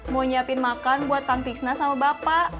mau nyiapin makan buat kang piksna sama bapak